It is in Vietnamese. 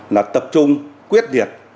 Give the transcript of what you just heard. là tập trung quyết định